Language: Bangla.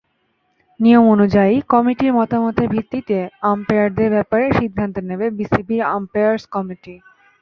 নিয়ম অনুযায়ী কমিটির মতামতের ভিত্তিতে আম্পায়ারদের ব্যাপারে সিদ্ধান্ত নেবে বিসিবির আম্পায়ার্স কমিটি।